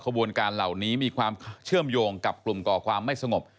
บวนการเหล่านี้มีความเชื่อมโยงกับกลุ่มก่อความไม่สงบ